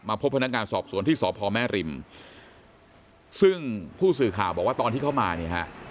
พบพนักงานสอบสวนที่สพแม่ริมซึ่งผู้สื่อข่าวบอกว่าตอนที่เข้ามาเนี่ยฮะ